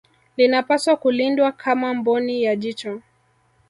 Linapaswa kulindwa kama mboni ya jicho